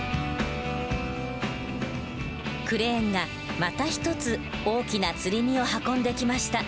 クレーンがまた１つ大きな吊り荷を運んできました。